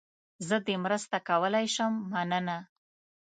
زه دې مرسته کولای شم، مننه.